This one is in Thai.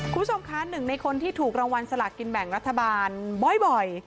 คุณชมคะ๑ในคนที่ถูกรางวัลสลัดกินแบ่งรัฐบาลบ่อย